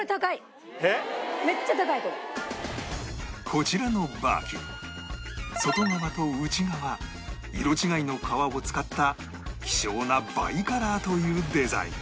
こちらのバーキン外側と内側色違いの革を使った希少なバイカラーというデザイン